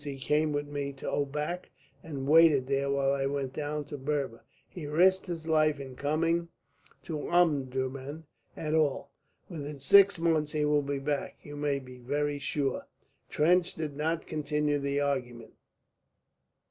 He came with me to Obak, and waited there while I went down to Berber. He risked his life in coming to Omdurman at all. Within six months he will be back, you may be very sure." Trench did not continue the argument.